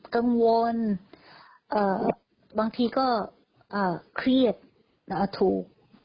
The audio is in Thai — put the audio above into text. เกื่อมวนบางทีก็เครียดถูก